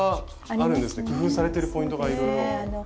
工夫されてるポイントがいろいろおもしろい。